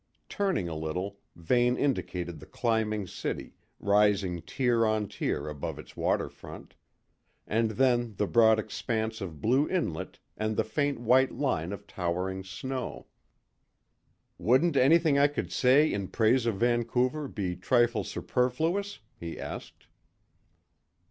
Turning a little, Vane indicated the climbing city, rising tier on tier above its water front; and then the broad expanse of blue inlet and the faint white line of towering snow. "Wouldn't anything I could say in praise of Vancouver be trifle superfluous?" he asked.